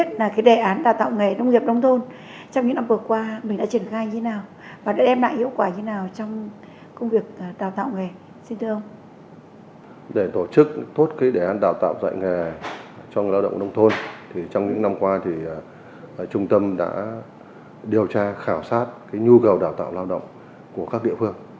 trong những năm qua trung tâm đã điều tra khảo sát nhu cầu đào tạo lao động của các địa phương